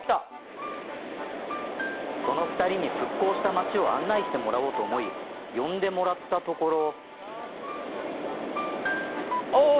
その２人に復興した町を案内してもらおうと思い呼んでもらったところ。